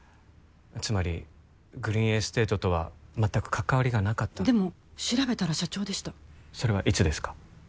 つまりグリーンエステートとは全く関わりがなかったでも調べたら社長でしたそれはいつですか？